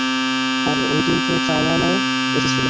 আরে ঔই দিন তো চা ওয়ালও এসেছিলো।